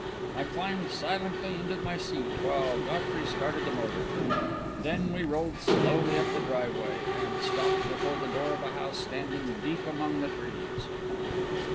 I climbed silently into my seat, while Godfrey started the motor. Then we rolled slowly up the driveway, and stopped before the door of a house standing deep among the trees.